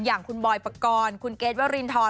อย่างคุณบอยปกรณ์คุณเกรทวรินทร